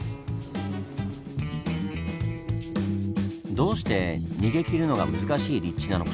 どうして逃げきるのが難しい立地なのか。